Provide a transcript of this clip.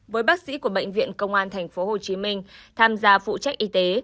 với bác sĩ của bệnh viện công an tp hcm tham gia phụ trách y tế